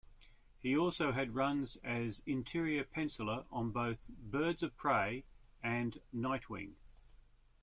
He also had runs as interior penciler on both "Birds of Prey" and "Nightwing".